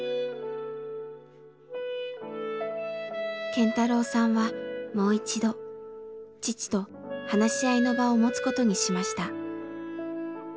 健太郎さんはもう一度父と話し合いの場を持つことにしました。